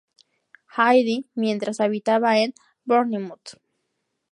Hyde" mientras habitaba en Bournemouth.